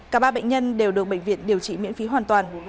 cả ba bệnh nhân đều được bệnh viện điều trị miễn phí hoàn toàn